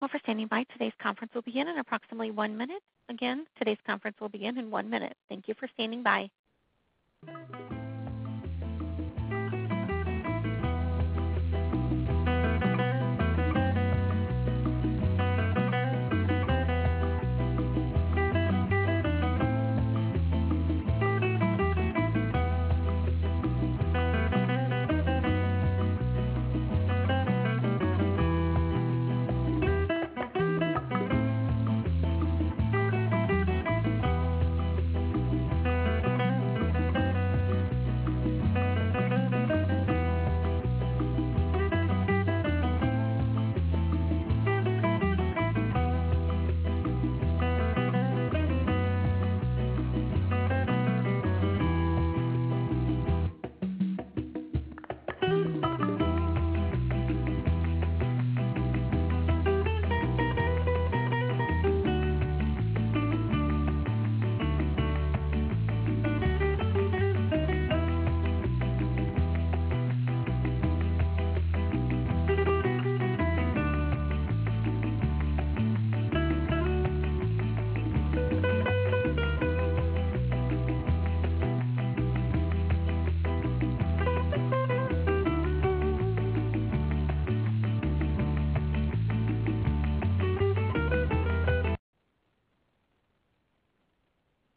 Thank you for standing by. Today's conference will begin in approximately one minute. Again, today's conference will begin in one minute. Thank you for standing by.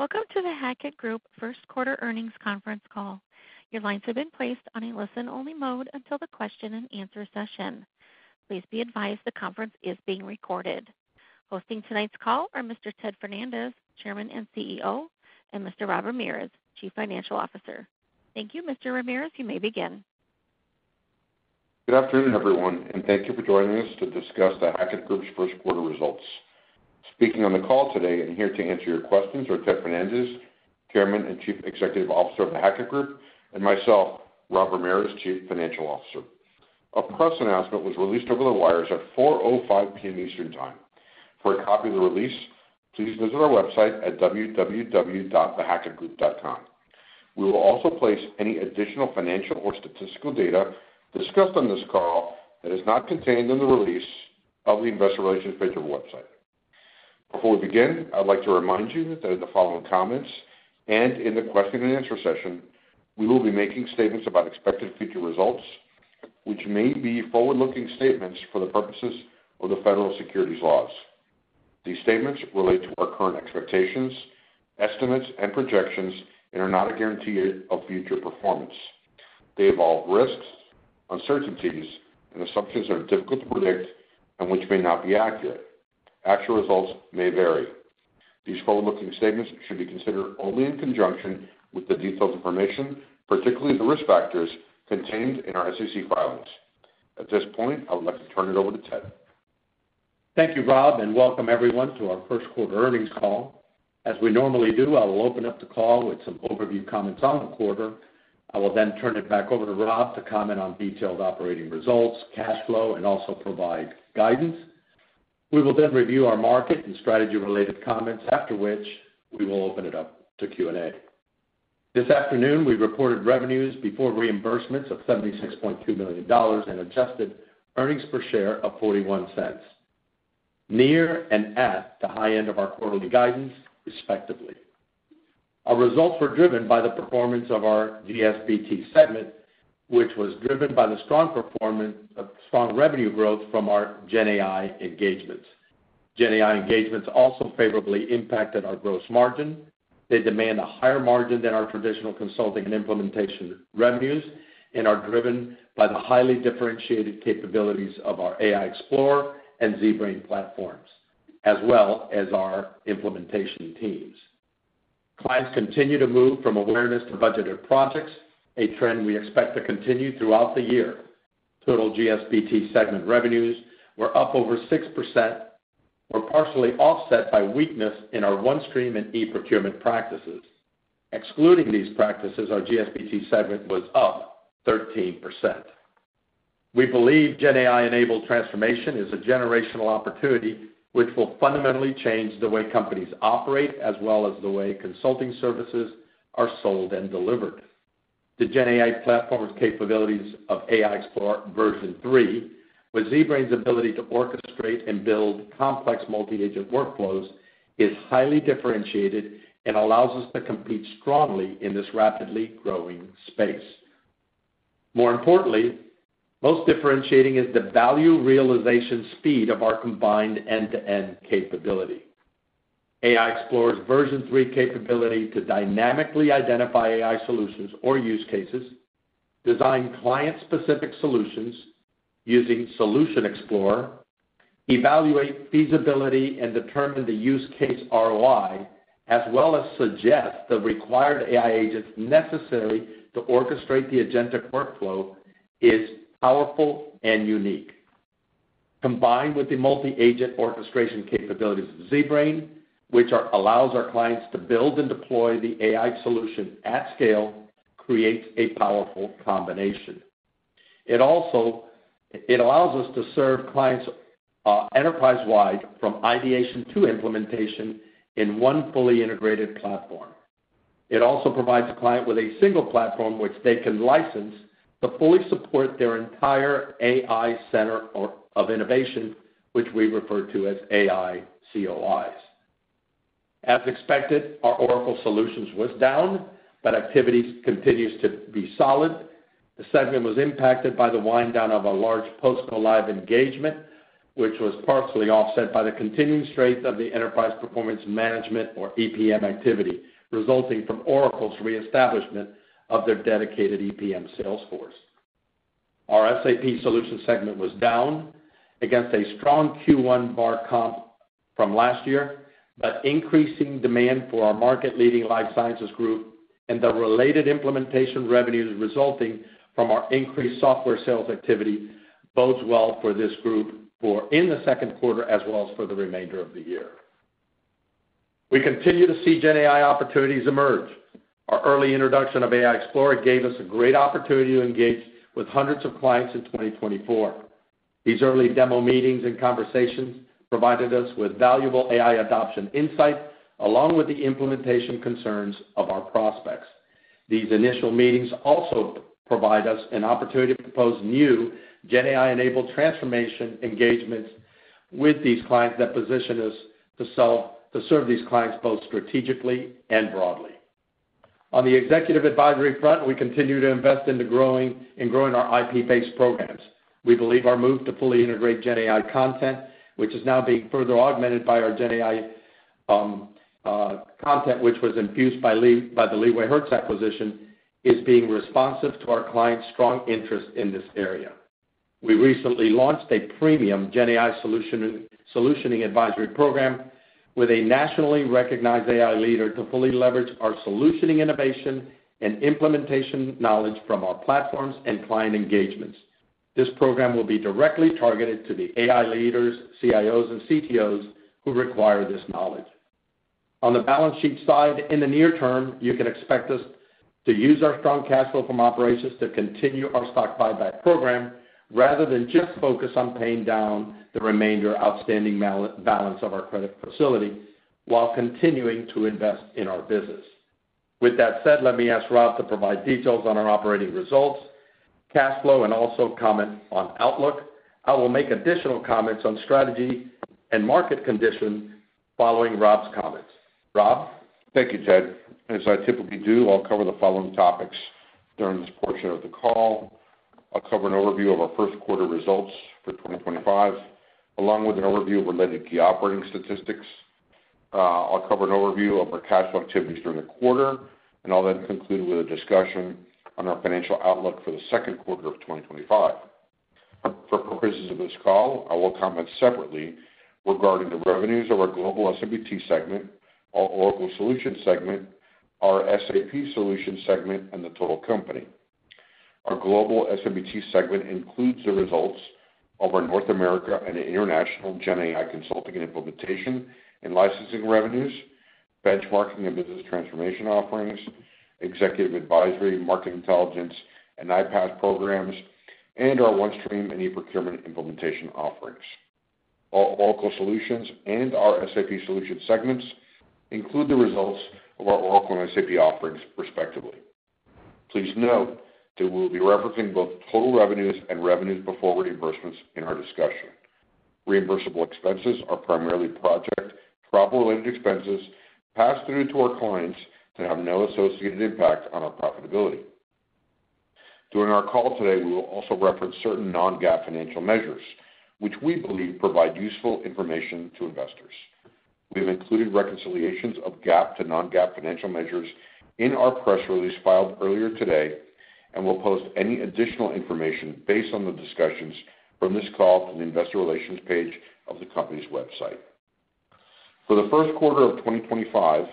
Welcome to The Hackett Group First Quarter Earnings Conference Call. Your lines have been placed on a listen-only mode until the question-and-answer session. Please be advised the conference is being recorded. Hosting tonight's call are Mr. Ted Fernandez, Chairman and CEO, and Mr. Robert Ramirez, Chief Financial Officer. Thank you, Mr. Ramirez. You may begin. Good afternoon, everyone, and thank you for joining us to discuss The Hackett Group's first quarter results. Speaking on the call today and here to answer your questions are Ted Fernandez, Chairman and Chief Executive Officer of The Hackett Group, and myself, Robert Ramirez, Chief Financial Officer. A press announcement was released over the wires at 4:05 P.M. Eastern Time. For a copy of the release, please visit our website at www.thehackettgroup.com. We will also place any additional financial or statistical data discussed on this call that is not contained in the release on the Investor Relations page of our website. Before we begin, I'd like to remind you that in the following comments and in the question-and-answer session, we will be making statements about expected future results, which may be forward-looking statements for the purposes of the federal securities laws. These statements relate to our current expectations, estimates, and projections, and are not a guarantee of future performance. They involve risks, uncertainties, and assumptions that are difficult to predict and which may not be accurate. Actual results may vary. These forward-looking statements should be considered only in conjunction with the detailed information, particularly the risk factors contained in our SEC filings. At this point, I would like to turn it over to Ted. Thank you, Rob, and welcome everyone to our first quarter earnings call. As we normally do, I will open up the call with some overview comments on the quarter. I will then turn it back over to Rob to comment on detailed operating results, cash flow, and also provide guidance. We will then review our market and strategy-related comments, after which we will open it up to Q&A. This afternoon, we reported revenues before reimbursements of $76.2 million and adjusted earnings per share of $0.41, near and at the high end of our quarterly guidance, respectively. Our results were driven by the performance of our GSBT segment, which was driven by the strong revenue growth from our GenAI engagements. GenAI engagements also favorably impacted our gross margin. They demand a higher margin than our traditional consulting and implementation revenues and are driven by the highly differentiated capabilities of our AI Explorer and ZBrain platforms, as well as our implementation teams. Clients continue to move from awareness to budgeted projects, a trend we expect to continue throughout the year. Total GSBT segment revenues were up over 6%, partially offset by weakness in our OneStream and e-procurement practices. Excluding these practices, our GSBT segment was up 13%. We believe GenAI-enabled transformation is a generational opportunity which will fundamentally change the way companies operate, as well as the way consulting services are sold and delivered. The GenAI platform's capabilities of AI Explorer version three, with ZBrain's ability to orchestrate and build complex multi-agent workflows, is highly differentiated and allows us to compete strongly in this rapidly growing space. More importantly, most differentiating is the value realization speed of our combined end-to-end capability. AI Explorer's version three capability to dynamically identify AI solutions or use cases, design client-specific solutions using Solution Explorer, evaluate feasibility, and determine the use case ROI, as well as suggest the required AI agents necessary to orchestrate the agentic workflow, is powerful and unique. Combined with the multi-agent orchestration capabilities of ZBrain, which allows our clients to build and deploy the AI solution at scale, creates a powerful combination. It also allows us to serve clients enterprise-wide, from ideation to implementation, in one fully integrated platform. It also provides a client with a single platform which they can license to fully support their entire AI center of innovation, which we refer to as AI COIs. As expected, our Oracle solutions were down, but activity continues to be solid. The segment was impacted by the wind down of a large post-go-live engagement, which was partially offset by the continuing strength of the enterprise performance management, or EPM, activity resulting from Oracle's reestablishment of their dedicated EPM sales force. Our SAP solution segment was down against a strong Q1 bar comp from last year, but increasing demand for our market-leading life sciences group and the related implementation revenues resulting from our increased software sales activity bodes well for this group for the second quarter, as well as for the remainder of the year. We continue to see GenAI opportunities emerge. Our early introduction of AI Explorer gave us a great opportunity to engage with hundreds of clients in 2024. These early demo meetings and conversations provided us with valuable AI adoption insight, along with the implementation concerns of our prospects. These initial meetings also provide us an opportunity to propose new GenAI-enabled transformation engagements with these clients that position us to serve these clients both strategically and broadly. On the executive advisory front, we continue to invest in growing our IP-based programs. We believe our move to fully integrate GenAI content, which is now being further augmented by our GenAI content, which was infused by the LeewayHertz acquisition, is being responsive to our clients' strong interest in this area. We recently launched a premium GenAI solutioning advisory program with a nationally recognized AI leader to fully leverage our solutioning innovation and implementation knowledge from our platforms and client engagements. This program will be directly targeted to the AI leaders, CIOs, and CTOs who require this knowledge. On the balance sheet side, in the near term, you can expect us to use our strong cash flow from operations to continue our stock buyback program rather than just focus on paying down the remainder outstanding balance of our credit facility while continuing to invest in our business. With that said, let me ask Rob to provide details on our operating results, cash flow, and also comment on outlook. I will make additional comments on strategy and market conditions following Rob's comments. Rob? Thank you, Ted. As I typically do, I'll cover the following topics during this portion of the call. I'll cover an overview of our first quarter results for 2025, along with an overview related to key operating statistics. I'll cover an overview of our cash flow activities during the quarter, and I'll then conclude with a discussion on our financial outlook for the second quarter of 2025. For purposes of this call, I will comment separately regarding the revenues of our global SMBT segment, our Oracle solution segment, our SAP solution segment, and the total company. Our global SMBT segment includes the results of our North America and international GenAI consulting and implementation and licensing revenues, benchmarking and business transformation offerings, executive advisory, market intelligence, and IPASS programs, and our OneStream and e-procurement implementation offerings. All Oracle solutions and our SAP solution segments include the results of our Oracle and SAP offerings, respectively. Please note that we will be referencing both total revenues and revenues before reimbursements in our discussion. Reimbursable expenses are primarily project travel-related expenses passed through to our clients that have no associated impact on our profitability. During our call today, we will also reference certain non-GAAP financial measures, which we believe provide useful information to investors. We have included reconciliations of GAAP to non-GAAP financial measures in our press release filed earlier today, and we'll post any additional information based on the discussions from this call to the investor relations page of the company's website. For the first quarter of 2025,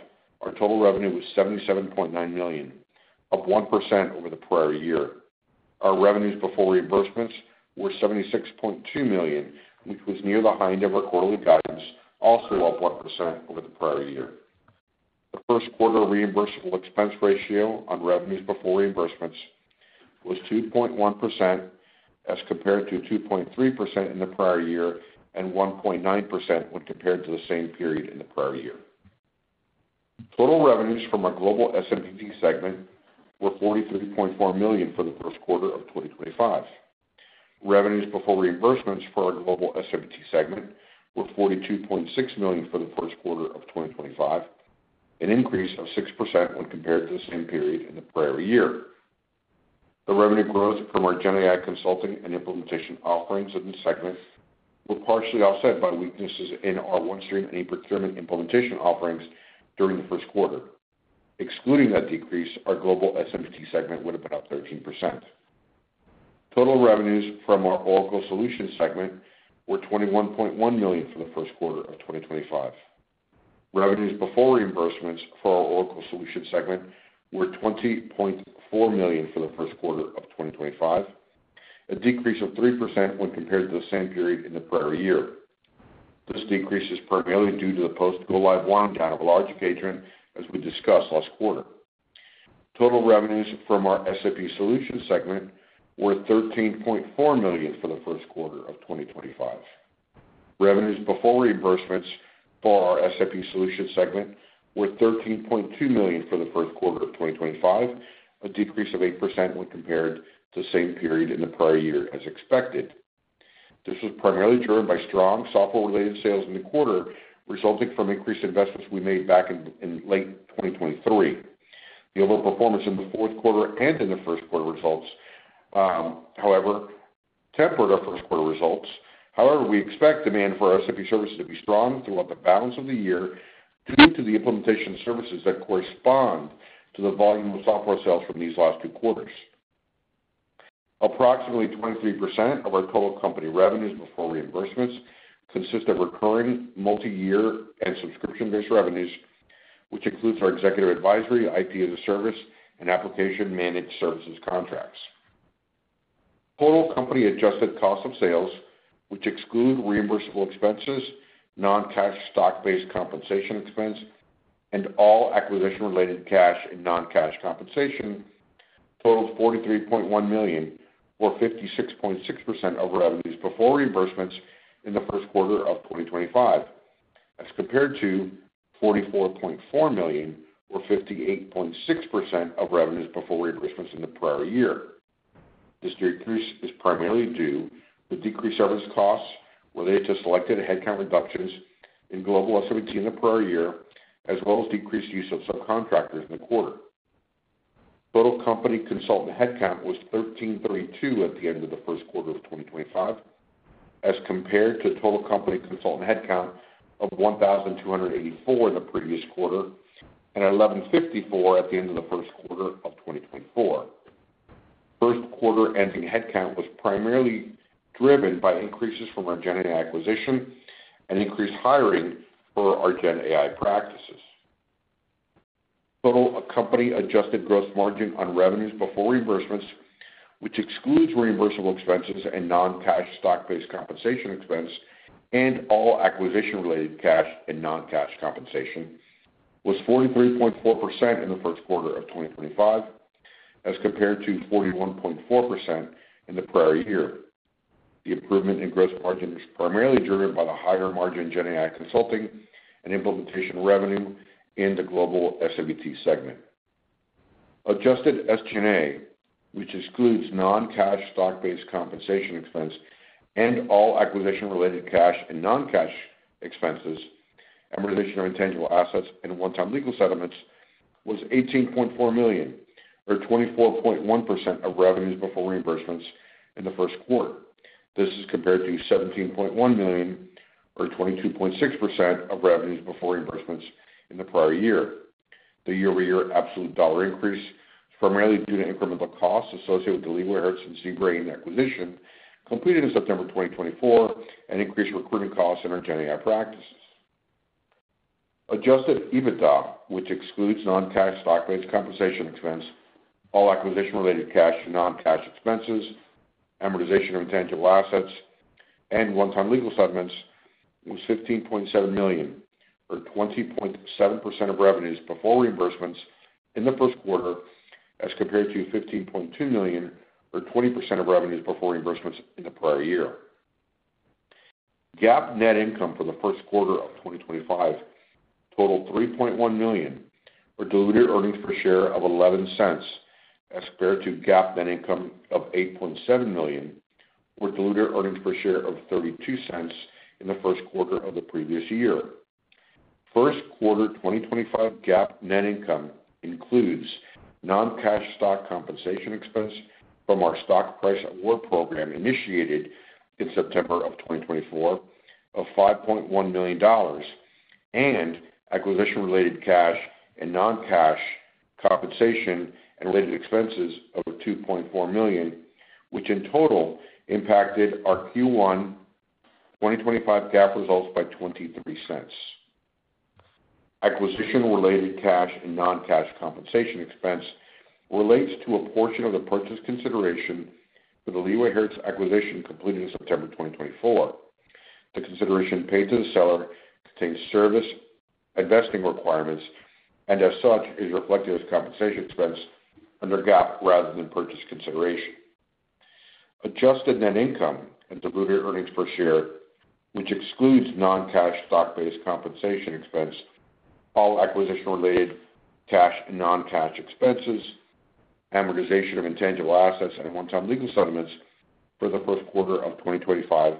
our total revenue was $77.9 million, up 1% over the prior year. Our revenues before reimbursements were $76.2 million, which was near the high end of our quarterly guidance, also up 1% over the prior year. The first quarter reimbursable expense ratio on revenues before reimbursements was 2.1% as compared to 2.3% in the prior year and 1.9% when compared to the same period in the prior year. Total revenues from our global SMBT segment were $43.4 million for the first quarter of 2025. Revenues before reimbursements for our global SMBT segment were $42.6 million for the first quarter of 2025, an increase of 6% when compared to the same period in the prior year. The revenue growth from our GenAI consulting and implementation offerings in the segment was partially offset by weaknesses in our OneStream and e-procurement implementation offerings during the first quarter. Excluding that decrease, our global SMBT segment would have been up 13%. Total revenues from our Oracle solution segment were $21.1 million for the first quarter of 2025. Revenues before reimbursements for our Oracle solution segment were $20.4 million for the first quarter of 2025, a decrease of 3% when compared to the same period in the prior year. This decrease is primarily due to the post-go-live wind down of a large engagement, as we discussed last quarter. Total revenues from our SAP solution segment were $13.4 million for the first quarter of 2025. Revenues before reimbursements for our SAP solution segment were $13.2 million for the first quarter of 2025, a decrease of 8% when compared to the same period in the prior year, as expected. This was primarily driven by strong software-related sales in the quarter, resulting from increased investments we made back in late 2023. The overall performance in the fourth quarter and in the first quarter results, however, tempered our first quarter results. However, we expect demand for our SAP services to be strong throughout the balance of the year due to the implementation services that correspond to the volume of software sales from these last two quarters. Approximately 23% of our total company revenues before reimbursements consist of recurring multi-year and subscription-based revenues, which includes our executive advisory, IT as a service, and application-managed services contracts. Total company-adjusted cost of sales, which exclude reimbursable expenses, non-cash stock-based compensation expense, and all acquisition-related cash and non-cash compensation, totaled $43.1 million or 56.6% of revenues before reimbursements in the first quarter of 2025, as compared to $44.4 million or 58.6% of revenues before reimbursements in the prior year. This decrease is primarily due to decreased service costs related to selected headcount reductions in global SMBT in the prior year, as well as decreased use of subcontractors in the quarter. Total company consultant headcount was 1,332 at the end of the first quarter of 2025, as compared to total company consultant headcount of 1,284 in the previous quarter and 1,154 at the end of the first quarter of 2024. First quarter ending headcount was primarily driven by increases from our GenAI acquisition and increased hiring for our GenAI practices. Total company-adjusted gross margin on revenues before reimbursements, which excludes reimbursable expenses and non-cash stock-based compensation expense, and all acquisition-related cash and non-cash compensation, was 43.4% in the first quarter of 2025, as compared to 41.4% in the prior year. The improvement in gross margin is primarily driven by the higher margin GenAI consulting and implementation revenue in the global SMBT segment. Adjusted SG&A, which excludes non-cash stock-based compensation expense and all acquisition-related cash and non-cash expenses and reduction of intangible assets and one-time legal settlements, was $18.4 million, or 24.1% of revenues before reimbursements in the first quarter. This is compared to $17.1 million, or 22.6% of revenues before reimbursements in the prior year. The year-over-year absolute dollar increase is primarily due to incremental costs associated with the LeewayHertz and ZBrain acquisition completed in September 2023 and increased recruitment costs in our GenAI practices. Adjusted EBITDA, which excludes non-cash stock-based compensation expense, all acquisition-related cash and non-cash expenses, amortization of intangible assets, and one-time legal settlements, was $15.7 million, or 20.7% of revenues before reimbursements in the first quarter, as compared to $15.2 million, or 20% of revenues before reimbursements in the prior year. GAAP net income for the first quarter of 2025 totaled $3.1 million, or diluted earnings per share of $0.11, as compared to GAAP net income of $8.7 million, or diluted earnings per share of $0.32 in the first quarter of the previous year. First quarter 2025 GAAP net income includes non-cash stock compensation expense from our stock price award program initiated in September of 2024 of $5.1 million, and acquisition-related cash and non-cash compensation and related expenses of $2.4 million, which in total impacted our Q1 2025 GAAP results by $0.23. Acquisition-related cash and non-cash compensation expense relates to a portion of the purchase consideration for the LeewayHertz acquisition completed in September 2024. The consideration paid to the seller contains service and vesting requirements and, as such, is reflected as compensation expense under GAAP rather than purchase consideration. Adjusted net income and diluted earnings per share, which excludes non-cash stock-based compensation expense, all acquisition-related cash and non-cash expenses, amortization of intangible assets and one-time legal settlements for the first quarter of 2025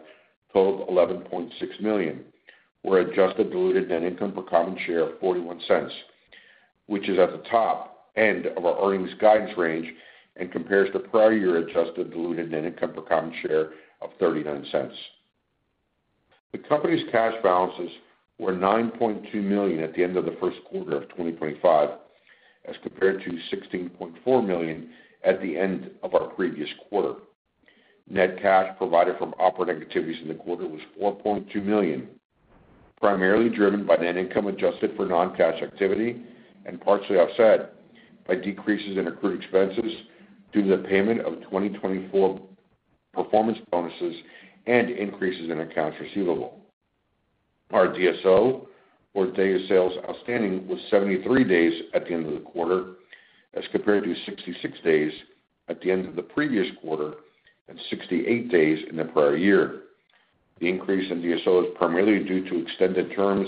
totaled $11.6 million, with adjusted diluted net income per common share of $0.41, which is at the top end of our earnings guidance range and compares to prior year adjusted diluted net income per common share of $0.39. The company's cash balances were $9.2 million at the end of the first quarter of 2025, as compared to $16.4 million at the end of our previous quarter. Net cash provided from operating activities in the quarter was $4.2 million, primarily driven by net income adjusted for non-cash activity and partially offset by decreases in accrued expenses due to the payment of 2024 performance bonuses and increases in accounts receivable. Our DSO, or days sales outstanding, was 73 days at the end of the quarter, as compared to 66 days at the end of the previous quarter and 68 days in the prior year. The increase in DSO is primarily due to extended terms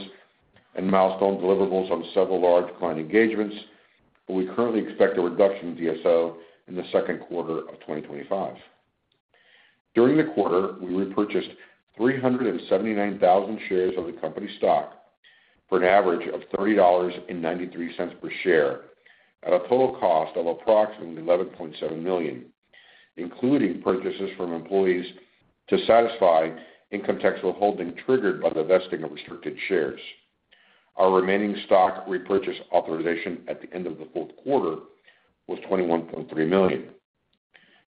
and milestone deliverables on several large client engagements, but we currently expect a reduction in DSO in the second quarter of 2025. During the quarter, we repurchased 379,000 shares of the company stock for an average of $30.93 per share at a total cost of approximately $11.7 million, including purchases from employees to satisfy income tax withholding triggered by the vesting of restricted shares. Our remaining stock repurchase authorization at the end of the fourth quarter was $21.3 million.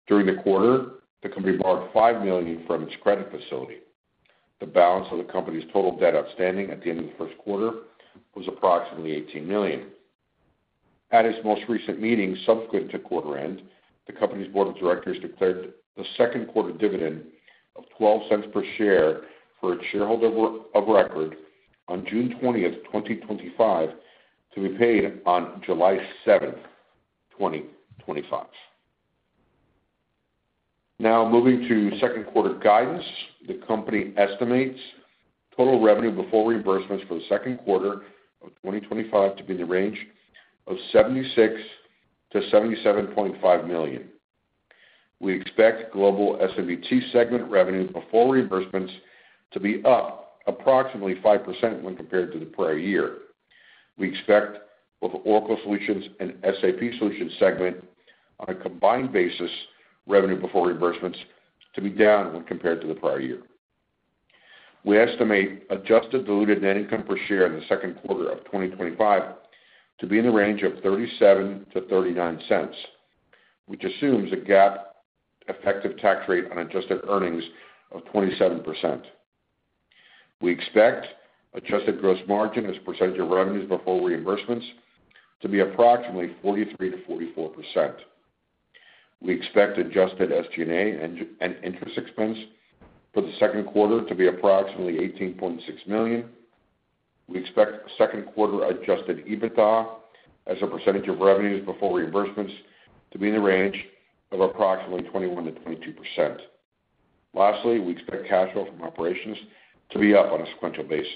During the quarter, the company borrowed $5 million from its credit facility. The balance of the company's total debt outstanding at the end of the first quarter was approximately $18 million. At its most recent meeting subsequent to quarter end, the company's board of directors declared the second quarter dividend of $0.12 per share for its shareholder of record on June 20, 2025, to be paid on July 7, 2025. Now, moving to second quarter guidance, the company estimates total revenue before reimbursements for the second quarter of 2025 to be in the range of $76 million-$77.5 million. We expect global SMBT segment revenue before reimbursements to be up approximately 5% when compared to the prior year. We expect both Oracle solutions and SAP solutions segment, on a combined basis, revenue before reimbursements to be down when compared to the prior year. We estimate adjusted diluted net income per share in the second quarter of 2025 to be in the range of $0.37-$0.39, which assumes a GAAP effective tax rate on adjusted earnings of 27%. We expect adjusted gross margin as percentage of revenues before reimbursements to be approximately 43%-44%. We expect adjusted SG&A and interest expense for the second quarter to be approximately $18.6 million. We expect second quarter adjusted EBITDA as a percentage of revenues before reimbursements to be in the range of approximately 21-22%. Lastly, we expect cash flow from operations to be up on a sequential basis.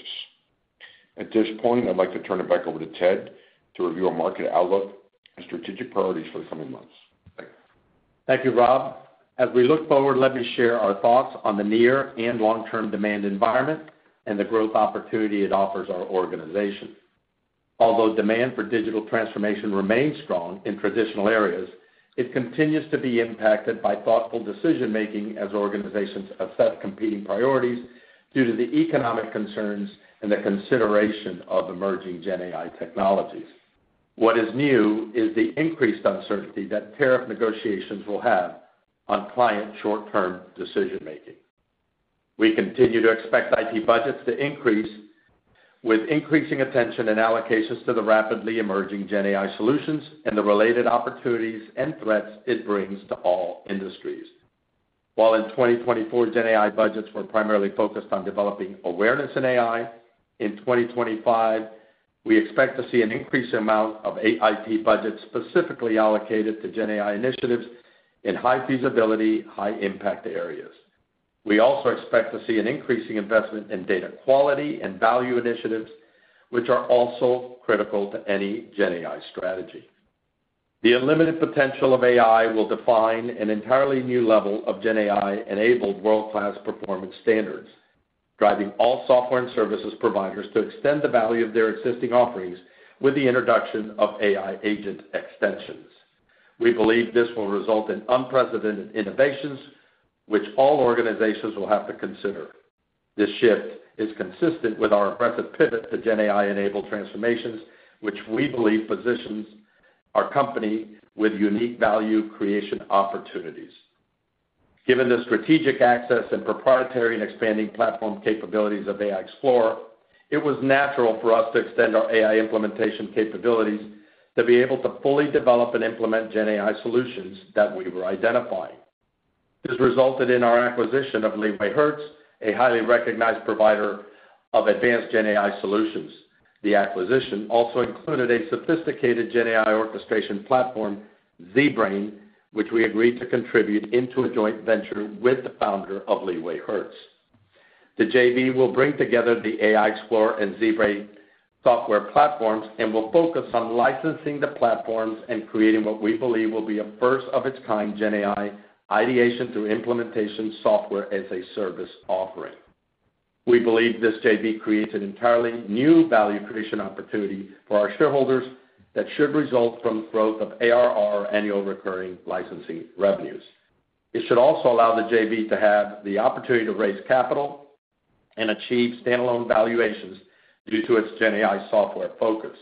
At this point, I'd like to turn it back over to Ted to review our market outlook and strategic priorities for the coming months. Thank you. Thank you, Rob. As we look forward, let me share our thoughts on the near and long-term demand environment and the growth opportunity it offers our organization. Although demand for digital transformation remains strong in traditional areas, it continues to be impacted by thoughtful decision-making as organizations assess competing priorities due to the economic concerns and the consideration of emerging GenAI technologies. What is new is the increased uncertainty that tariff negotiations will have on client short-term decision-making. We continue to expect IT budgets to increase, with increasing attention and allocations to the rapidly emerging GenAI solutions and the related opportunities and threats it brings to all industries. While in 2024, GenAI budgets were primarily focused on developing awareness in AI, in 2025, we expect to see an increased amount of IT budgets specifically allocated to GenAI initiatives in high feasibility, high impact areas. We also expect to see an increasing investment in data quality and value initiatives, which are also critical to any GenAI strategy. The unlimited potential of AI will define an entirely new level of GenAI-enabled world-class performance standards, driving all software and services providers to extend the value of their existing offerings with the introduction of AI agent extensions. We believe this will result in unprecedented innovations, which all organizations will have to consider. This shift is consistent with our impressive pivot to GenAI-enabled transformations, which we believe positions our company with unique value creation opportunities. Given the strategic access and proprietary and expanding platform capabilities of AI Explorer, it was natural for us to extend our AI implementation capabilities to be able to fully develop and implement GenAI solutions that we were identifying. This resulted in our acquisition of LeewayHertz, a highly recognized provider of advanced GenAI solutions. The acquisition also included a sophisticated GenAI orchestration platform, ZBrain, which we agreed to contribute into a joint venture with the founder of LeewayHertz. The JV will bring together the AI Explorer and ZBrain software platforms and will focus on licensing the platforms and creating what we believe will be a first-of-its-kind GenAI ideation through implementation software as a service offering. We believe this JV creates an entirely new value creation opportunity for our shareholders that should result from the growth of ARR annual recurring licensing revenues. It should also allow the JV to have the opportunity to raise capital and achieve standalone valuations due to its GenAI software focus.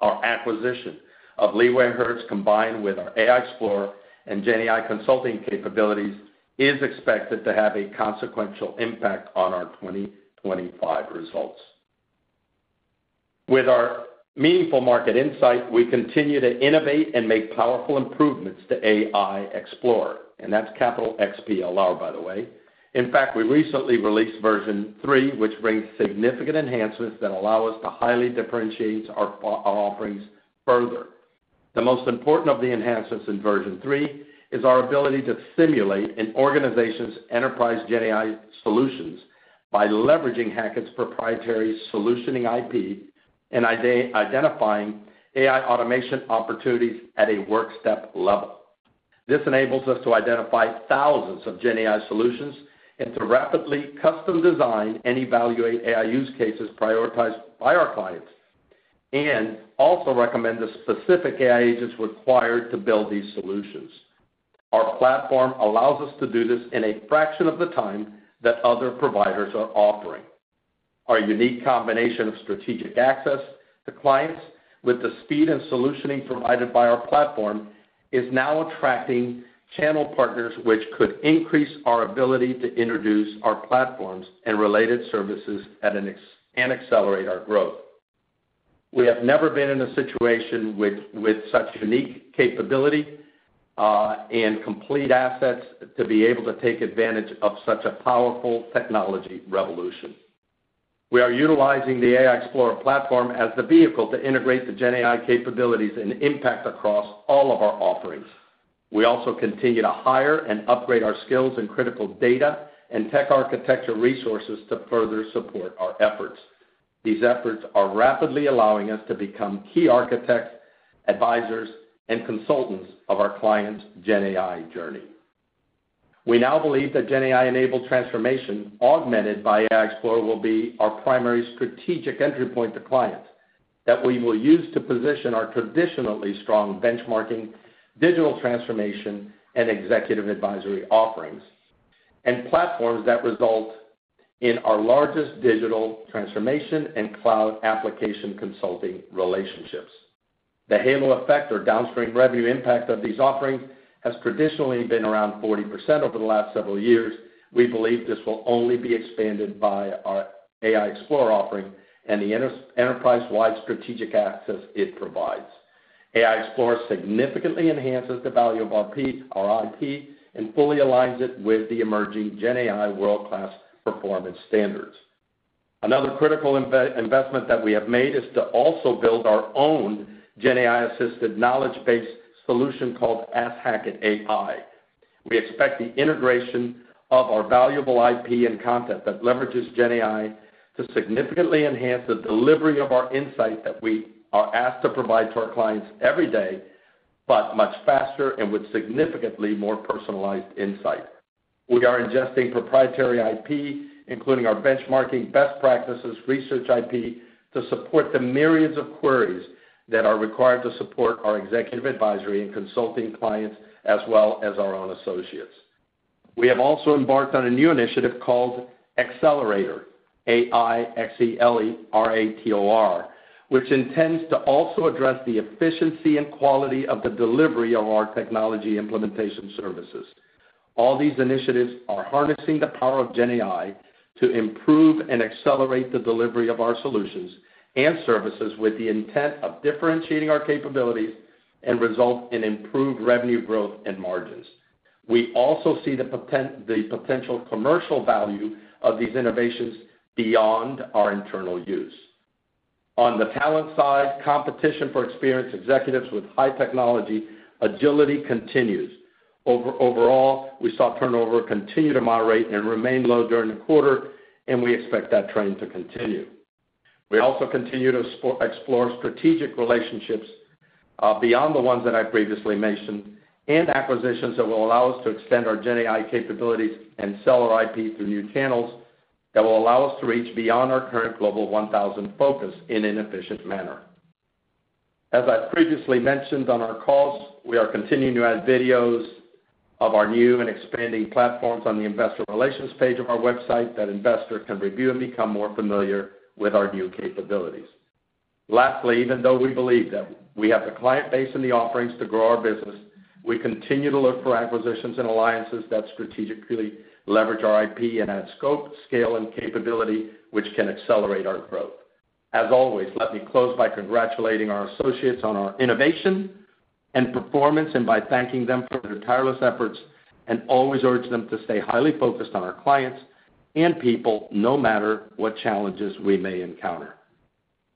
Our acquisition of LeewayHertz, combined with our AI Explorer and GenAI consulting capabilities, is expected to have a consequential impact on our 2025 results. With our meaningful market insight, we continue to innovate and make powerful improvements to AI Explorer. That is capital XPLR, by the way. In fact, we recently released version three, which brings significant enhancements that allow us to highly differentiate our offerings further. The most important of the enhancements in version three is our ability to simulate an organization's enterprise GenAI solutions by leveraging Hackett's proprietary solutioning IP and identifying AI automation opportunities at a work step level. This enables us to identify thousands of GenAI solutions and to rapidly custom design and evaluate AI use cases prioritized by our clients and also recommend the specific AI agents required to build these solutions. Our platform allows us to do this in a fraction of the time that other providers are offering. Our unique combination of strategic access to clients with the speed and solutioning provided by our platform is now attracting channel partners, which could increase our ability to introduce our platforms and related services and accelerate our growth. We have never been in a situation with such unique capability and complete assets to be able to take advantage of such a powerful technology revolution. We are utilizing the AI Explorer platform as the vehicle to integrate the GenAI capabilities and impact across all of our offerings. We also continue to hire and upgrade our skills and critical data and tech architecture resources to further support our efforts. These efforts are rapidly allowing us to become key architects, advisors, and consultants of our clients' GenAI journey. We now believe that GenAI-enabled transformation augmented by AI Explorer will be our primary strategic entry point to clients that we will use to position our traditionally strong benchmarking, digital transformation, and executive advisory offerings and platforms that result in our largest digital transformation and cloud application consulting relationships. The halo effect or downstream revenue impact of these offerings has traditionally been around 40% over the last several years. We believe this will only be expanded by our AI Explorer offering and the enterprise-wide strategic access it provides. AI Explorer significantly enhances the value of our IP and fully aligns it with the emerging GenAI world-class performance standards. Another critical investment that we have made is to also build our own GenAI-assisted knowledge-based solution called ASH Hackett AI. We expect the integration of our valuable IP and content that leverages GenAI to significantly enhance the delivery of our insight that we are asked to provide to our clients every day, but much faster and with significantly more personalized insight. We are ingesting proprietary IP, including our benchmarking, best practices, research IP to support the myriads of queries that are required to support our executive advisory and consulting clients, as well as our own associates. We have also embarked on a new initiative called Accelerator, AI Accelerator, which intends to also address the efficiency and quality of the delivery of our technology implementation services. All these initiatives are harnessing the power of GenAI to improve and accelerate the delivery of our solutions and services with the intent of differentiating our capabilities and result in improved revenue growth and margins. We also see the potential commercial value of these innovations beyond our internal use. On the talent side, competition for experienced executives with high technology agility continues. Overall, we saw turnover continue to moderate and remain low during the quarter, and we expect that trend to continue. We also continue to explore strategic relationships beyond the ones that I previously mentioned and acquisitions that will allow us to extend our GenAI capabilities and sell our IP through new channels that will allow us to reach beyond our current global 1,000 focus in an efficient manner. As I previously mentioned on our calls, we are continuing to add videos of our new and expanding platforms on the investor relations page of our website that investors can review and become more familiar with our new capabilities. Lastly, even though we believe that we have the client base and the offerings to grow our business, we continue to look for acquisitions and alliances that strategically leverage our IP and add scope, scale, and capability, which can accelerate our growth. As always, let me close by congratulating our associates on our innovation and performance and by thanking them for their tireless efforts and always urge them to stay highly focused on our clients and people, no matter what challenges we may encounter.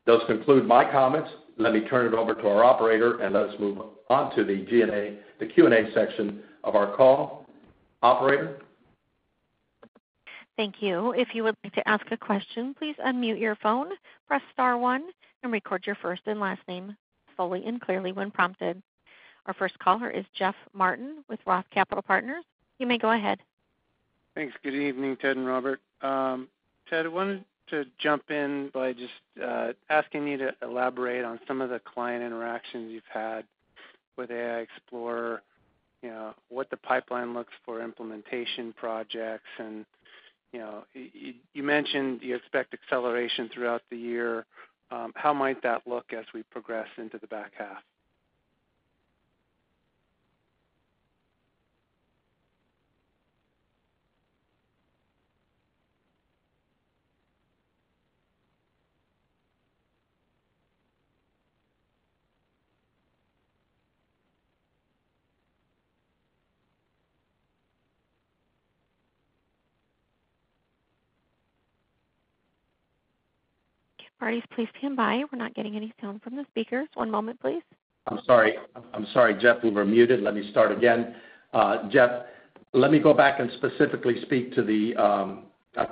Those conclude my comments. Let me turn it over to our operator, and let us move on to the Q&A section of our call. Operator. Thank you. If you would like to ask a question, please unmute your phone, press star one, and record your first and last name fully and clearly when prompted. Our first caller is Jeff Martin with Roth Capital Partners. You may go ahead. Thanks. Good evening, Ted and Robert. Ted, I wanted to jump in by just asking you to elaborate on some of the client interactions you've had with AI Explorer, what the pipeline looks for implementation projects. You mentioned you expect acceleration throughout the year. How might that look as we progress into the back half? Keep parties, please stand by. We're not getting any sound from the speakers. One moment, please. I'm sorry. I'm sorry, Jeff, we were muted. Let me start again. Jeff, let me go back and specifically speak to the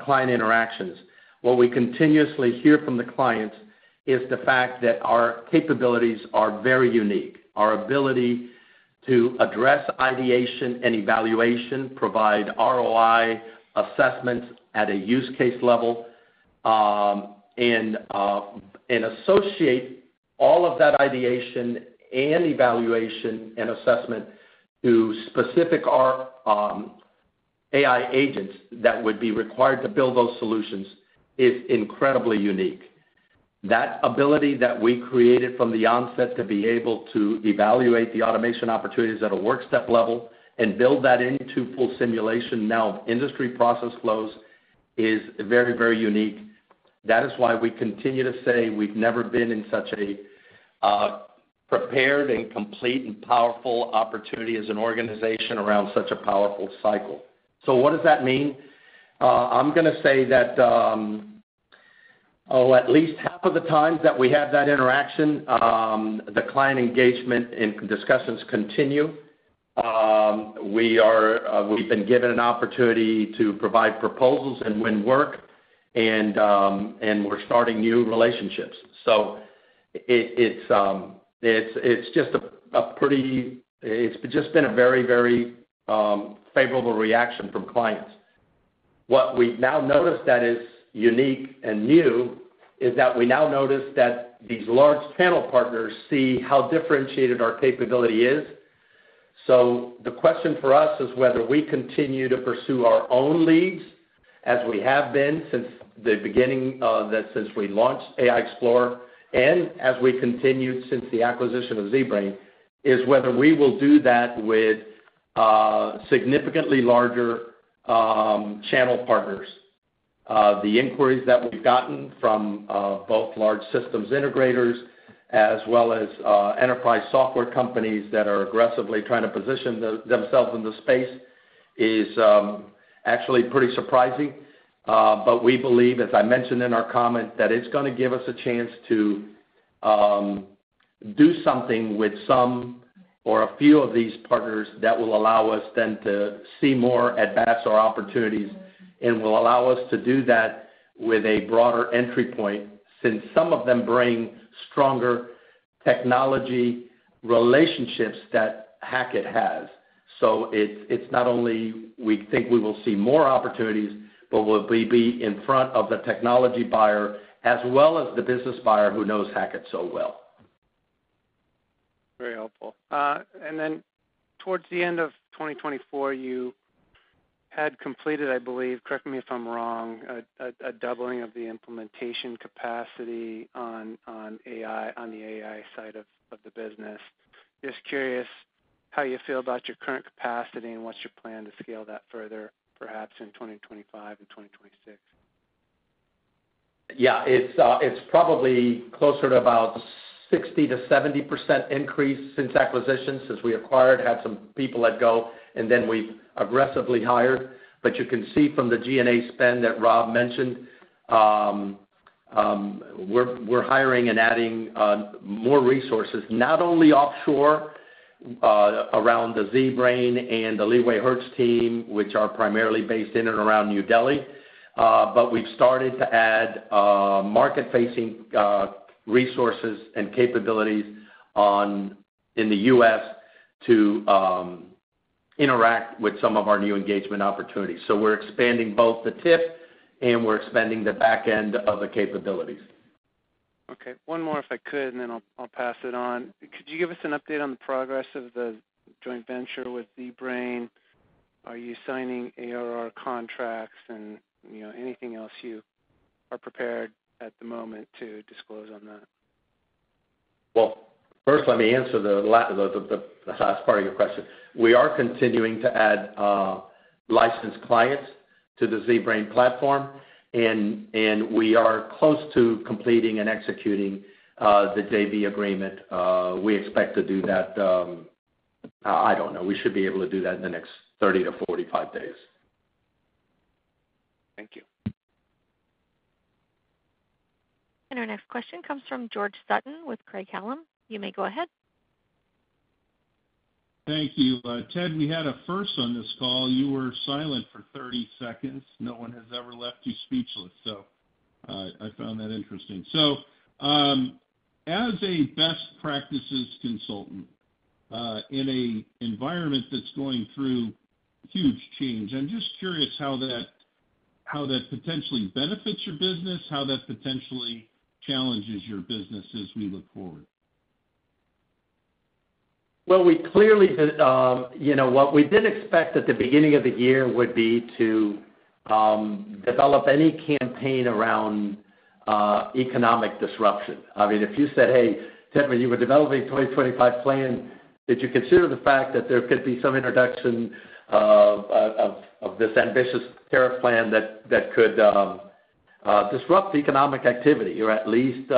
client interactions. What we continuously hear from the clients is the fact that our capabilities are very unique. Our ability to address ideation and evaluation, provide ROI assessments at a use case level, and associate all of that ideation and evaluation and assessment to specific AI agents that would be required to build those solutions is incredibly unique. That ability that we created from the onset to be able to evaluate the automation opportunities at a work step level and build that into full simulation now of industry process flows is very, very unique. That is why we continue to say we've never been in such a prepared and complete and powerful opportunity as an organization around such a powerful cycle. What does that mean? I'm going to say that, oh, at least half of the times that we have that interaction, the client engagement and discussions continue. We've been given an opportunity to provide proposals and win work, and we're starting new relationships. It's just been a very, very favorable reaction from clients. What we've now noticed that is unique and new is that we now notice that these large channel partners see how differentiated our capability is. The question for us is whether we continue to pursue our own leads as we have been since the beginning of—that since we launched AI Explorer and as we continued since the acquisition of ZBrain, is whether we will do that with significantly larger channel partners. The inquiries that we've gotten from both large systems integrators as well as enterprise software companies that are aggressively trying to position themselves in the space is actually pretty surprising. We believe, as I mentioned in our comment, that it's going to give us a chance to do something with some or a few of these partners that will allow us then to see more advanced our opportunities and will allow us to do that with a broader entry point since some of them bring stronger technology relationships that Hackett has. It is not only we think we will see more opportunities, but we will be in front of the technology buyer as well as the business buyer who knows Hackett so well. Very helpful. Then towards the end of 2024, you had completed, I believe—correct me if I am wrong—a doubling of the implementation capacity on the AI side of the business. Just curious how you feel about your current capacity and what is your plan to scale that further, perhaps in 2025 and 2026? Yeah. It is probably closer to about a 60-70% increase since acquisition, since we acquired, had some people let go, and then we have aggressively hired. You can see from the G&A spend that Rob mentioned, we're hiring and adding more resources, not only offshore around the ZBrain and the LeewayHertz team, which are primarily based in and around New Delhi, but we've started to add market-facing resources and capabilities in the U.S. to interact with some of our new engagement opportunities. We're expanding both the TIF and we're expanding the back end of the capabilities. Okay. One more if I could, and then I'll pass it on. Could you give us an update on the progress of the joint venture with ZBrain? Are you signing ARR contracts and anything else you are prepared at the moment to disclose on that? First, let me answer the last part of your question. We are continuing to add licensed clients to the ZBrain platform, and we are close to completing and executing the JV agreement. We expect to do that—I don't know. We should be able to do that in the next 30 to 45 days. Thank you. Our next question comes from George Sutton with Craig-Hallum. You may go ahead. Thank you. Ted, we had a first on this call. You were silent for 30 seconds. No one has ever left you speechless, so I found that interesting. As a best practices consultant in an environment that's going through huge change, I'm just curious how that potentially benefits your business, how that potentially challenges your business as we look forward. We clearly did—what we did expect at the beginning of the year would be to develop any campaign around economic disruption. I mean, if you said, "Hey, Ted, when you were developing the 2025 plan, did you consider the fact that there could be some introduction of this ambitious tariff plan that could disrupt economic activity or at least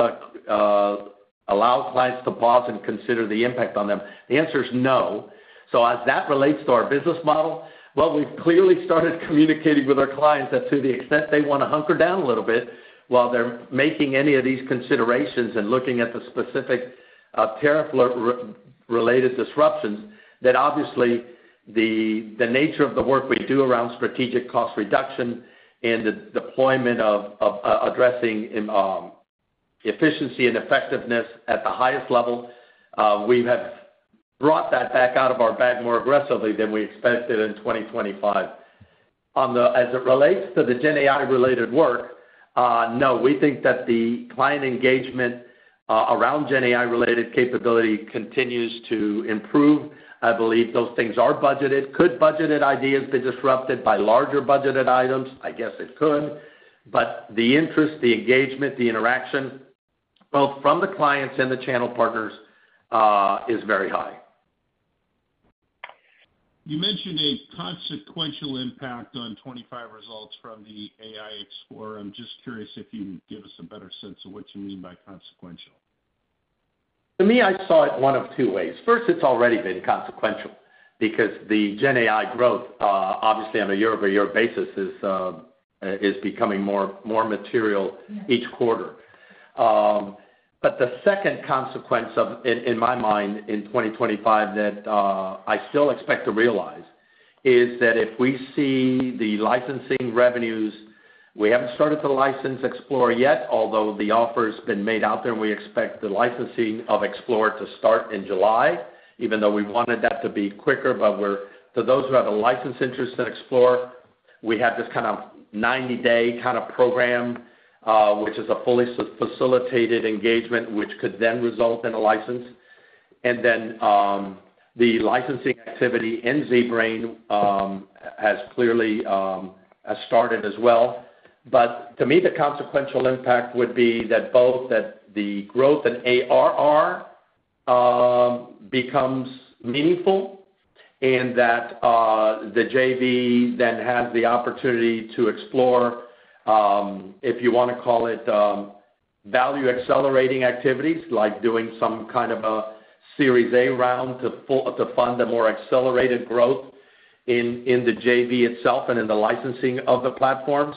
allow clients to pause and consider the impact on them?" The answer is no. As that relates to our business model, we have clearly started communicating with our clients that to the extent they want to hunker down a little bit while they are making any of these considerations and looking at the specific tariff-related disruptions, obviously the nature of the work we do around strategic cost reduction and the deployment of addressing efficiency and effectiveness at the highest level, we have brought that back out of our bag more aggressively than we expected in 2025. As it relates to the GenAI-related work, no, we think that the client engagement around GenAI-related capability continues to improve. I believe those things are budgeted. Could budgeted ideas be disrupted by larger budgeted items? I guess it could. The interest, the engagement, the interaction, both from the clients and the channel partners, is very high. You mentioned a consequential impact on 2025 results from the AI Explorer. I'm just curious if you can give us a better sense of what you mean by consequential. To me, I saw it one of two ways. First, it's already been consequential because the GenAI growth, obviously on a year-over-year basis, is becoming more material each quarter. The second consequence, in my mind, in 2025 that I still expect to realize is that if we see the licensing revenues, we have not started to license Explorer yet, although the offer has been made out there, and we expect the licensing of Explorer to start in July, even though we wanted that to be quicker. For those who have a license interest in Explorer, we have this kind of 90-day kind of program, which is a fully facilitated engagement, which could then result in a license. The licensing activity in ZBrain has clearly started as well. To me, the consequential impact would be that both the growth in ARR becomes meaningful and that the JV then has the opportunity to explore, if you want to call it value-accelerating activities, like doing some kind of a Series A round to fund the more accelerated growth in the JV itself and in the licensing of the platforms.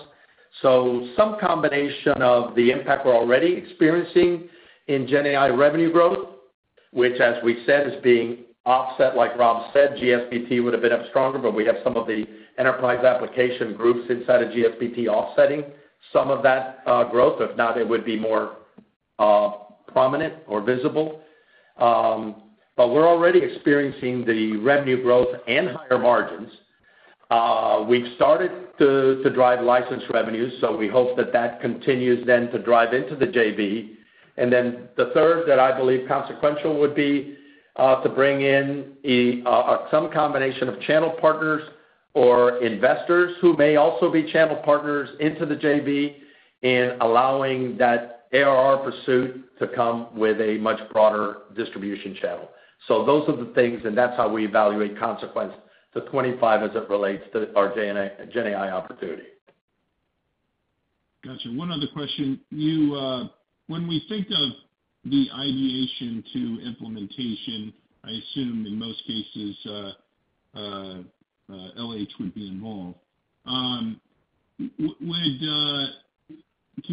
Some combination of the impact we're already experiencing in GenAI revenue growth, which, as we said, is being offset, like Rob said, GSPT would have been up stronger, but we have some of the enterprise application groups inside of GSPT offsetting some of that growth. If not, it would be more prominent or visible. We're already experiencing the revenue growth and higher margins. We've started to drive license revenues, so we hope that that continues then to drive into the JV. Then the third that I believe consequential would be to bring in some combination of channel partners or investors who may also be channel partners into the JV and allowing that ARR pursuit to come with a much broader distribution channel. Those are the things, and that's how we evaluate consequence to 2025 as it relates to our GenAI opportunity. Gotcha. One other question. When we think of the ideation to implementation, I assume in most cases LH would be involved. Can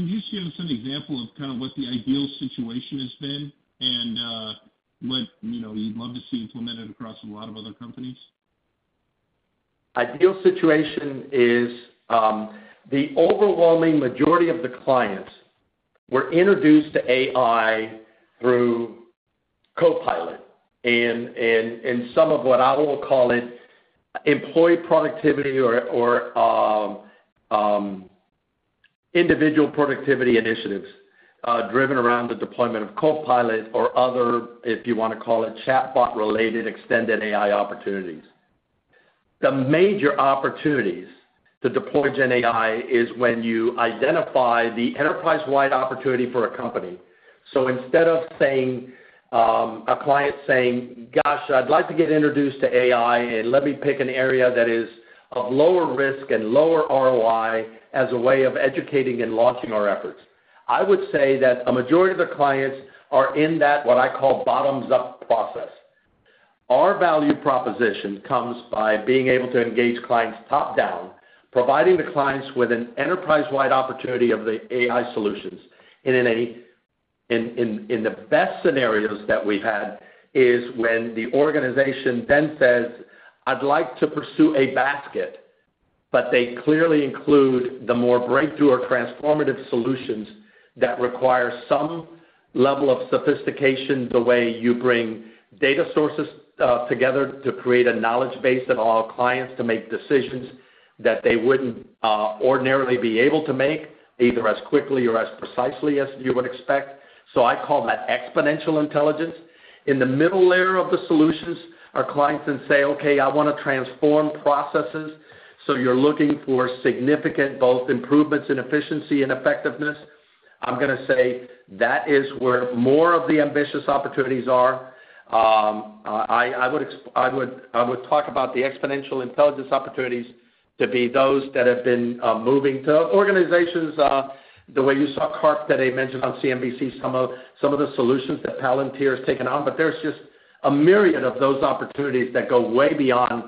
you give us an example of kind of what the ideal situation has been and what you'd love to see implemented across a lot of other companies? Ideal situation is the overwhelming majority of the clients were introduced to AI through Copilot and some of what I will call it employee productivity or individual productivity initiatives driven around the deployment of Copilot or other, if you want to call it, chatbot-related extended AI opportunities. The major opportunities to deploy GenAI is when you identify the enterprise-wide opportunity for a company. Instead of a client saying, "Gosh, I'd like to get introduced to AI, and let me pick an area that is of lower risk and lower ROI as a way of educating and launching our efforts," I would say that a majority of the clients are in that what I call bottoms-up process. Our value proposition comes by being able to engage clients top-down, providing the clients with an enterprise-wide opportunity of the AI solutions. In the best scenarios that we've had is when the organization then says, "I'd like to pursue a basket," but they clearly include the more breakthrough or transformative solutions that require some level of sophistication the way you bring data sources together to create a knowledge base that allows clients to make decisions that they wouldn't ordinarily be able to make either as quickly or as precisely as you would expect. I call that exponential intelligence. In the middle layer of the solutions, our clients then say, "Okay, I want to transform processes." You're looking for significant both improvements in efficiency and effectiveness. I'm going to say that is where more of the ambitious opportunities are. I would talk about the exponential intelligence opportunities to be those that have been moving to organizations the way you saw Carp today mention on CNBC, some of the solutions that Palantir has taken on. There is just a myriad of those opportunities that go way beyond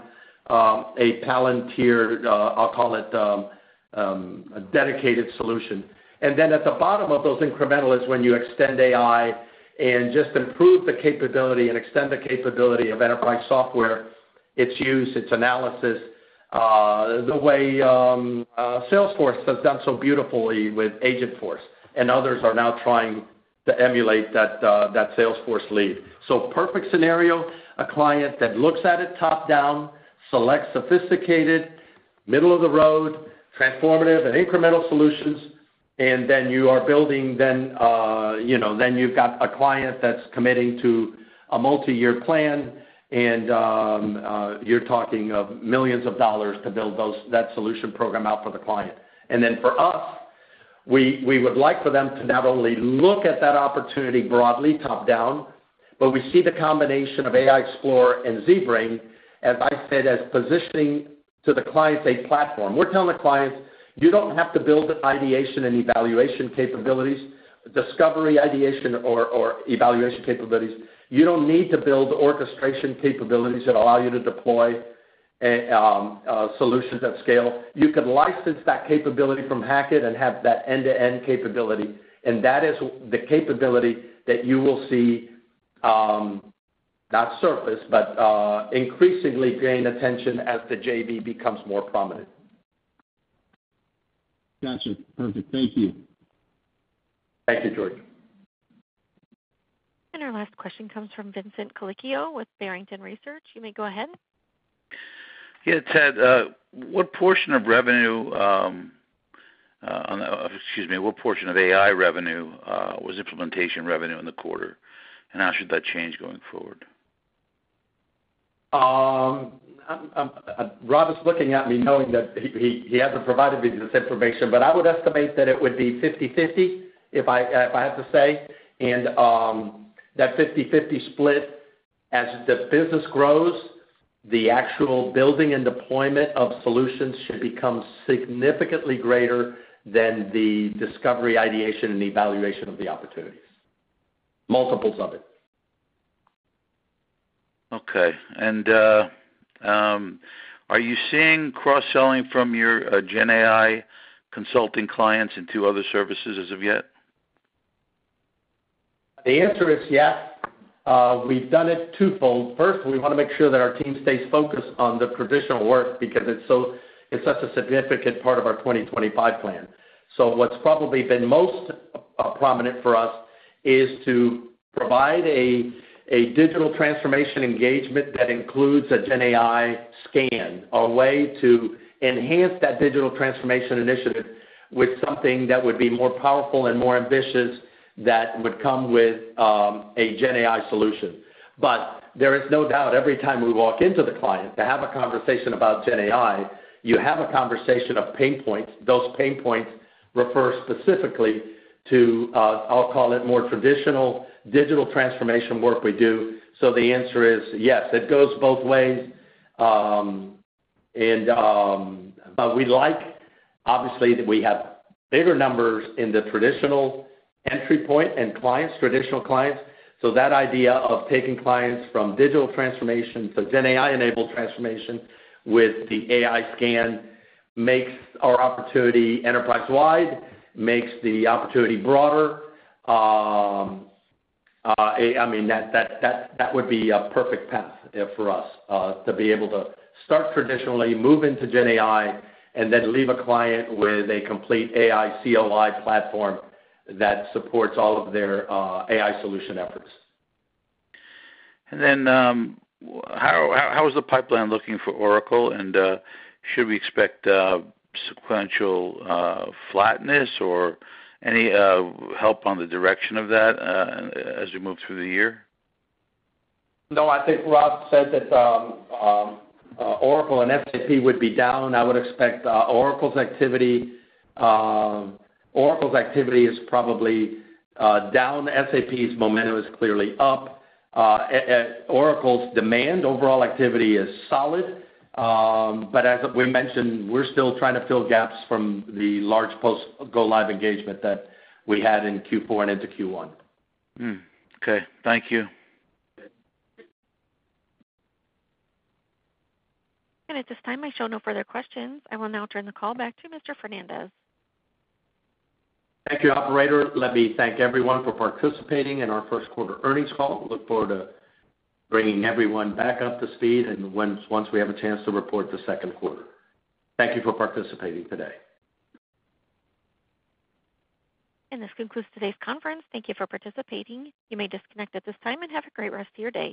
a Palantir, I'll call it, dedicated solution. At the bottom of those incremental is when you extend AI and just improve the capability and extend the capability of enterprise software, its use, its analysis, the way Salesforce has done so beautifully with Agentforce, and others are now trying to emulate that Salesforce lead. Perfect scenario, a client that looks at it top-down, selects sophisticated, middle-of-the-road, transformative, and incremental solutions, and then you are building, then you've got a client that's committing to a multi-year plan, and you're talking of millions of dollars to build that solution program out for the client. For us, we would like for them to not only look at that opportunity broadly top-down, but we see the combination of AI Explorer and ZBrain, as I said, as positioning to the client a platform. We're telling the client, "You don't have to build ideation and evaluation capabilities, discovery ideation or evaluation capabilities. You don't need to build orchestration capabilities that allow you to deploy solutions at scale. You could license that capability from Hackett and have that end-to-end capability. That is the capability that you will see not surface, but increasingly gain attention as the JV becomes more prominent. Gotcha. Perfect. Thank you. Thank you, George. Your last question comes from Vincent Colicchio with Barrington Research. You may go ahead. Yeah, Ted, what portion of revenue—excuse me—what portion of AI revenue was implementation revenue in the quarter? How should that change going forward? Rob is looking at me knowing that he has not provided me this information, but I would estimate that it would be 50/50, if I have to say. That 50/50 split, as the business grows, the actual building and deployment of solutions should become significantly greater than the discovery, ideation, and evaluation of the opportunities. Multiples of it. Okay. Are you seeing cross-selling from your GenAI consulting clients into other services as of yet? The answer is yes. We've done it twofold. First, we want to make sure that our team stays focused on the traditional work because it's such a significant part of our 2025 plan. What's probably been most prominent for us is to provide a digital transformation engagement that includes a GenAI scan, a way to enhance that digital transformation initiative with something that would be more powerful and more ambitious that would come with a GenAI solution. There is no doubt every time we walk into the client to have a conversation about GenAI, you have a conversation of pain points. Those pain points refer specifically to, I'll call it, more traditional digital transformation work we do. The answer is yes. It goes both ways. We like, obviously, that we have bigger numbers in the traditional entry point and clients, traditional clients. That idea of taking clients from digital transformation to GenAI-enabled transformation with the AI scan makes our opportunity enterprise-wide, makes the opportunity broader. I mean, that would be a perfect path for us to be able to start traditionally, move into GenAI, and then leave a client with a complete AI COI platform that supports all of their AI solution efforts. How is the pipeline looking for Oracle? Should we expect sequential flatness or any help on the direction of that as we move through the year? No, I think Rob said that Oracle and SAP would be down. I would expect Oracle's activity is probably down. SAP's momentum is clearly up. Oracle's demand overall activity is solid. As we mentioned, we're still trying to fill gaps from the large post-go-live engagement that we had in Q4 and into Q1. Okay. Thank you. At this time, I show no further questions. I will now turn the call back to Mr. Fernandez. Thank you, Operator. Let me thank everyone for participating in our first quarter earnings call. Look forward to bringing everyone back up to speed once we have a chance to report the second quarter. Thank you for participating today. This concludes today's conference. Thank you for participating. You may disconnect at this time and have a great rest of your day.